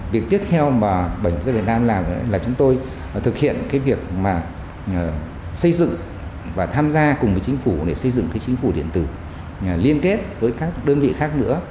việc tiếp theo mà bảo hiểm xã hội việt nam làm là chúng tôi thực hiện cái việc mà xây dựng và tham gia cùng với chính phủ để xây dựng cái chính phủ điện tử liên kết với các đơn vị khác nữa